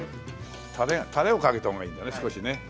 タレをかけた方がいいんだね少しね。